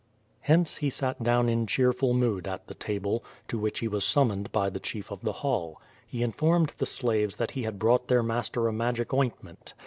Hence he sat down in cheerful mood at the table, to which he was summoned by the chief of the hall. He informed the slaves that he had brought their master a magic ointment.